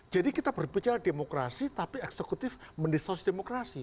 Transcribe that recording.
jadi kita berbicara demokrasi tapi eksekutif mendistorsi demokrasi